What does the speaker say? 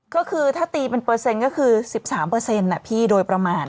ก็คือถ้าตีเป็นเปอร์เซ็นต์ก็คือ๑๓พี่โดยประมาณ